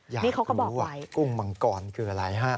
นี่เขาก็บอกไว้อยากรู้ว่ากุ้งมังกรคืออะไรฮะ